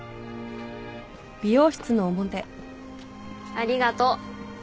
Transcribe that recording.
ありがとう。